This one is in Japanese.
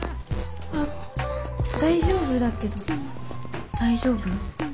あっ大丈夫だけど大丈夫？